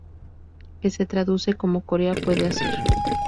Que se traduce como Corea puede hacer.